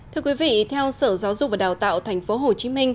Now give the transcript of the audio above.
thưa quý vị theo sở giáo dục và đào tạo tp hcm